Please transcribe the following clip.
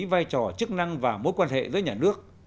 vai trò chức năng và mối quan hệ giữa nhà nước